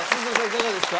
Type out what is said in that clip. いかがですか？